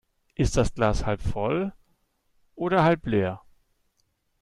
Ist das Glas halb voll oder halb leer?